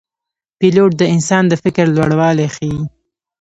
پیلوټ د انسان د فکر لوړوالی ښيي.